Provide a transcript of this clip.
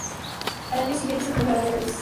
Al año siguiente, se trasladó a París.